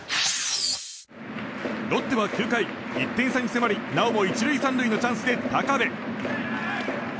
ロッテは９回、１点差に迫りなおも１塁３塁のチャンスで高部。